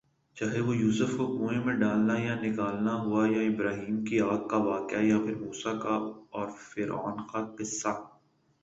چاہے وہ یوسف ؑ کو کنویں میں ڈالنا یا نکالنا ہوا یا ابراھیمؑ کی آگ کا واقعہ یا پھر موسیؑ کا اور فرعون کا قصہ